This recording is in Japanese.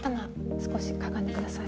少しかがんでください